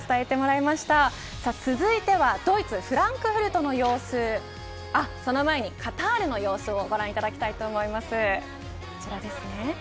続いては、ドイツフランクフルトの様子その前にカタールの様子をご覧いただきたいと思います。